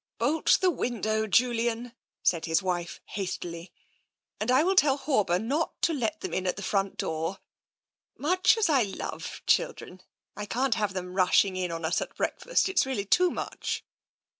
" Bolt the window, Julian," said his wife hastily. " And I will tell Horber not to let them in at the front door. Much as I love children, I can't have them rushing in on us at breakfast; it's really too much.'